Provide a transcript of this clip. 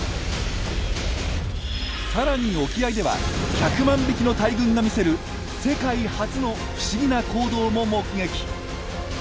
さらに沖合では１００万匹の大群が見せる世界初の不思議な行動も目撃！